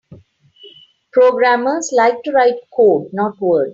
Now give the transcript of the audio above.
Programmers like to write code; not words.